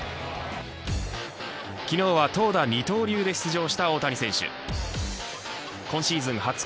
昨日は、投打二刀流で出場した大谷選手。